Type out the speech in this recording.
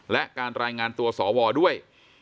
และการรายงานตัวสวด้วย